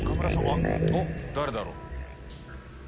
誰だろう？